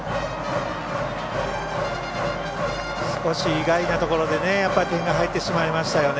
少し意外なところで点が入ってしまいましたよね。